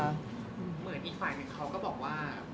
มันเพราะเหมือนอีฟัยมันเค้าก็บอกว่า